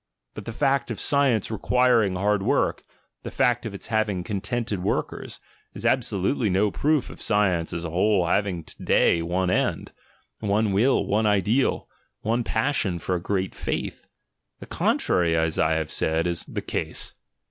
But the fact of science requiring hard work, the fact of its having contented workers, is abso lutely no proof of science as a whole having to day one end, one will, one ideal, one passion for a great faith; the contrary, as I have said, is the case.